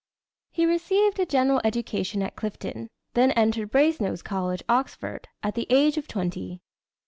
He received a general education at Clifton, then entered Brasenose College, Oxford, at the age of twenty.